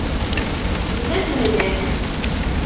D asehlan.